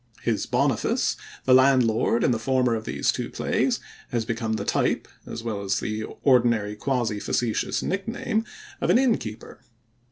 His Boniface, the landlord in the former of these two plays, has become the type, as well as the ordinary quasi facetious nickname, of an innkeeper.